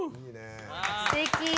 すてき！